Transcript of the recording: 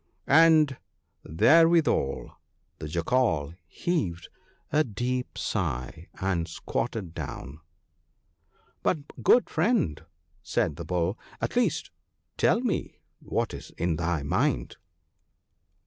" "And therewithal the Jackal heaved a deep sigh, and squatted down. ' But, good friend,' said the Bull, * at least tell me what is in thy mind.'